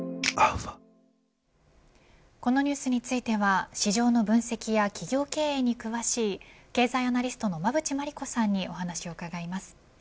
このニュースについては市場の分析や企業経営に詳しい経済アナリストの馬渕磨理子さんにお話を伺います。